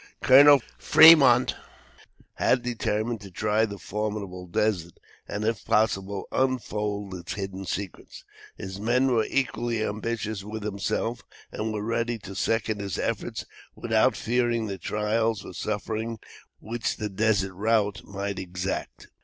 Colonel Fremont had determined to try the formidable desert, and, if possible, unfold its hidden secrets. His men were equally ambitious with himself, and were ready to second his efforts without fearing the trials or sufferings which the desert route might exact.